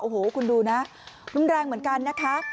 โอ้โหคุณดูนะรุนแรงเหมือนกันนะคะ